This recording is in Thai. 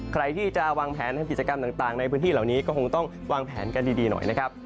ใครที่จะวางแผนทำกิจกรรมต่างในพื้นที่เหล่านี้ก็คงต้องวางแผนกันดีหน่อยนะครับ